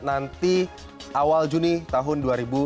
nanti awal juni tahun dua ribu delapan belas